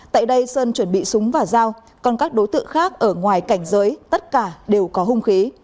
tại đây sơn chuẩn bị súng và dao còn các đối tượng khác ở ngoài cảnh giới tất cả đều có hung khí